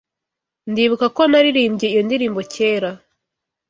Ndibuka ko naririmbye iyo ndirimbo kera.